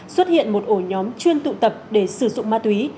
xuất hiện một ổ nhóm chuyên tụ tập để sử dụng ma túy